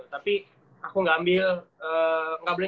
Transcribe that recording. tapi aku gak ambil